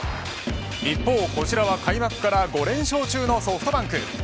一方こちらは開幕から５連勝中のソフトバンク。